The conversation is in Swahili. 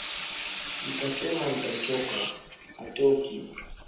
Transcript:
Mtasema mtachoka hatoki.